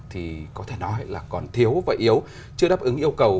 thì có thể nói là còn thiếu và yếu chưa đáp ứng yêu cầu